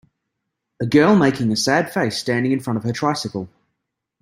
A girl making a sad face standing in front of her tricycle